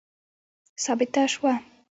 ثابته سوه.